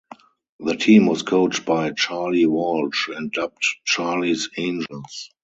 The team was coached by Charlie Walsh and dubbed "Charlie's Angels".